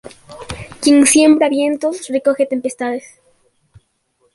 Quien siembra vientos recoge tempestades